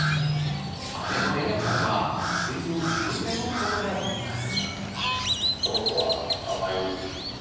姉のえなちゃんは薬を自分で飲むことができます。